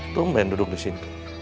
tungguin duduk disini